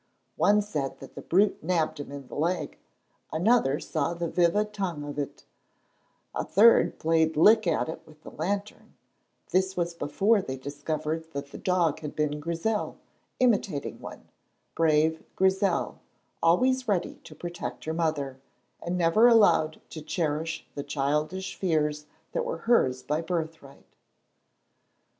One said that the brute nabbed him in the leg, another saw the vive tongue of it, a third played lick at it with the lantern; this was before they discovered that the dog had been Grizel imitating one, brave Grizel, always ready to protect her mother, and never allowed to cherish the childish fears that were hers by birthright.